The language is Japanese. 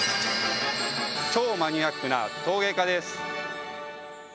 超マニアックな陶芸家です。